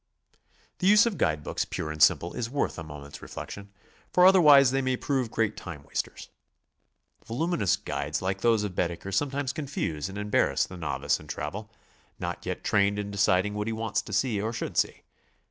The use of guide books pure and simple is worth a mo ment's reflection, for otherwise they may prove great time wasters. Voluminous guides like those of Baedeker some times confuse and embarrass the novice in travel, not yet trained in deciding what he wants to see or should see.